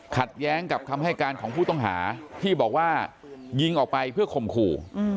ขัดแย้งกับคำให้การของผู้ต้องหาที่บอกว่ายิงออกไปเพื่อข่มขู่